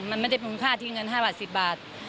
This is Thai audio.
มันไม่ได้ปัญหาที่เงิน๕๑๐บาท